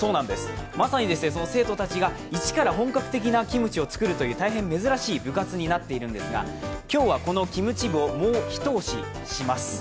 まさにその生徒たちが一から本格的なキムチを作るという大変珍しい部活になっているんですが今日はこのキムチ部をもうひと推しします。